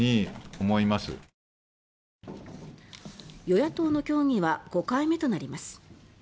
与野党の協議は５回目となります。